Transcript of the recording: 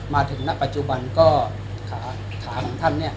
ณปัจจุบันก็ขาของท่านเนี่ย